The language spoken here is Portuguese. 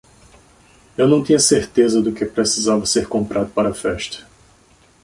Eu não tinha certeza do que precisava ser comprado para a festa.